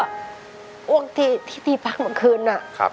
พวกที่พักเมื่อคืนน่ะ